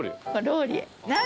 ローリエ。